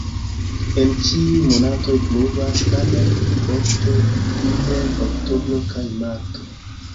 En ĉiuj monatoj pluvas, tamen pli ofte inter oktobro kaj marto.